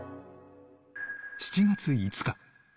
７月５日。